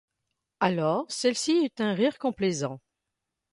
Alors, celle-ci eut un rire complaisant.